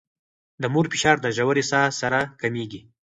د مور فشار د ژورې ساه سره کمېږي.